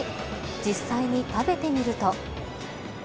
実際に食べてみると。